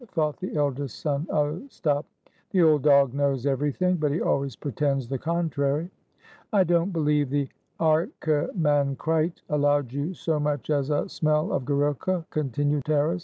thought the eldest son Ostap. "The old dog knows everything, but he always pretends the contrary." "I don't believe the archimancrite allowed you so much as a smell of gorilka/' continued Taras.